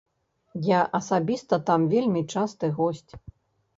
Я асабіста там вельмі часты госць.